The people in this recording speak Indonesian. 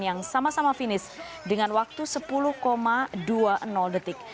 yang sama sama finish dengan waktu sepuluh dua puluh detik